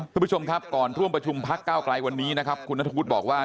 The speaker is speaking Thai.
คุณผู้ชมครับก่อนร่วมประชุมพักเก้าไกลวันนี้นะครับคุณนัทวุฒิบอกว่า